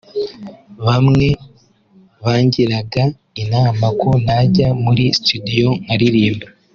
bamwe bangiraga inama ko najya muri studio nkaririmba